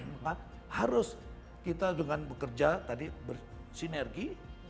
maka harus kita dengan bekerja tadi bersinergi